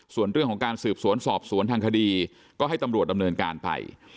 ส่วนเรื่องของการสืบสวนสอบสวนทางคดีก็ให้ตำรวจดำเนินการไป